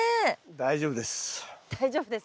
大丈夫ですか？